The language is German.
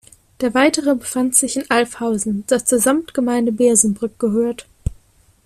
Der weitere befand sich in Alfhausen, das zur Samtgemeinde Bersenbrück gehört.